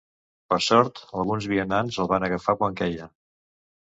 Per sort, alguns vianants el van agafar quan queia.